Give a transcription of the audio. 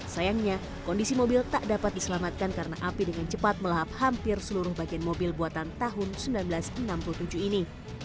sayangnya kondisi mobil tak dapat diselamatkan karena api dengan cepat melahap hampir seluruh bagian mobil buatan tahun seribu sembilan ratus enam puluh tujuh ini